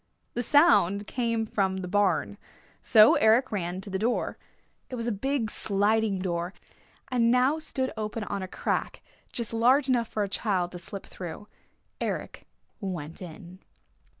The sound came from the barn. So Eric ran to the door. It was a big sliding door, and now stood open on a crack just large enough for a child to slip through. Eric went in.